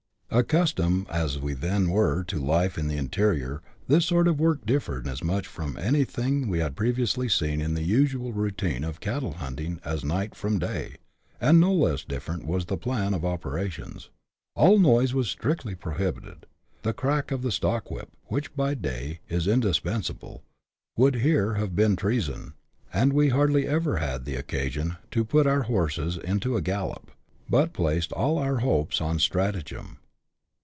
Accustomed as we then were to life in the interior, this sort of work di£^red as much from anything we had previously seen in the usual routine of cattle hunting as night from day, and do less diffonmt was the plan of operations. All noise was strictly prohibited ; the crack of the stock whip, which by day is indis pensable, would here have been treason ; and we hardly ever had occasion to put our horses into a gallop, but placed all our hopes upon stratagem.